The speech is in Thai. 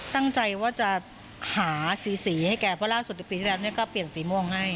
ตั้งใจว่าจะหาสีสีให้แกเพราะล่าสุดในปีที่แล้วก็เปลี่ยนสีม่วงให้